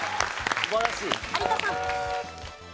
有田さん。